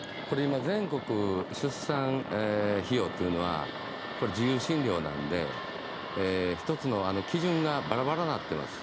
全国出産費用というのは自由診療なので１つの基準がバラバラになってます。